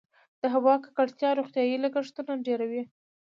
د هوا ککړتیا روغتیايي لګښتونه ډیروي؟